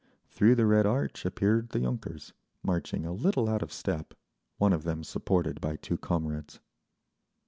Through the Red Arch appeared the yunkers, marching a little out of step, one of them supported by two comrades.